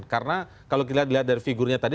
karena kalau kita lihat dari figurnya tadi